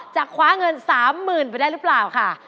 คว้าเงิน๓๐๐๐ไปได้หรือเปล่าค่ะ